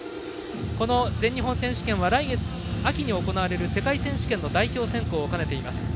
この全日本選手権は秋に行われる世界選手権の代表選考を兼ねています。